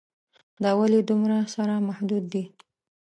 دا ولې دومره سره محدود دي.